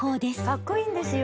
かっこいいんですよ！